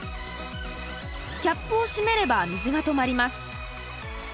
キャップを閉めれば水が止まります。